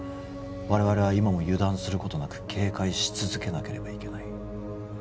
「我々は今も油断することなく警戒し続けなければいけない」